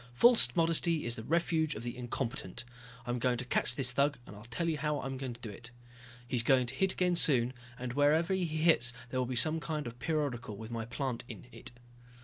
"False modesty is the refuge of the incompetent. I'm going to catch this thug and I'll tell you how I'll do it. He's going to hit again soon, and wherever he hits there will be some kind of a periodical with my plant in it.